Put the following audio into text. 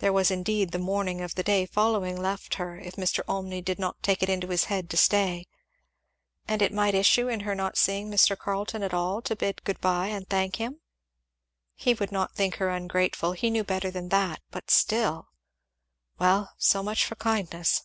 There was indeed the morning of the day following left her if Mr. Olmney did not take it into his head to stay. And it might issue in her not seeing Mr. Carleton at all, to bid good bye and thank him? He would not think her ungrateful, he knew better than that, but still Well! so much for kindness!